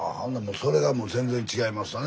それがもう全然違いますわね